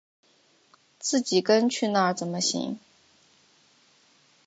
自己跟去那怎么行